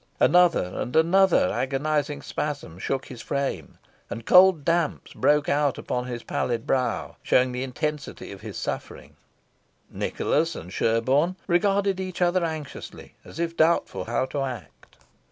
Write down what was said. Another and another agonising spasm shook his frame, and cold damps broke out upon his pallid brow, showing the intensity of his suffering. Nicholas and Sherborne regarded each other anxiously, as if doubtful how to act.